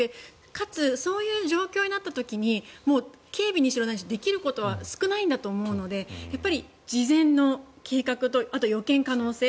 かつ、そういう状況になった時に警備にしろ、何にしろ少ないんだと思うので事前の計画とあとは予見可能性。